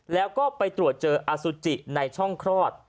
แล้วก็ไปตรวจเจออสุจิในช่องคลอด